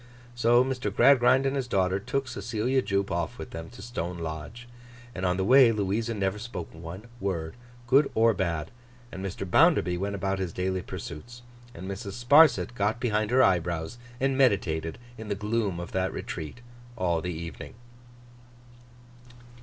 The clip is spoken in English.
So, Mr. Gradgrind and his daughter took Cecilia Jupe off with them to Stone Lodge, and on the way Louisa never spoke one word, good or bad. And Mr. Bounderby went about his daily pursuits. And Mrs. Sparsit got behind her eyebrows and meditated in the gloom of that retreat, all the evening.